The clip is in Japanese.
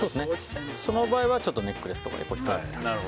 その場合はネックレスとかで。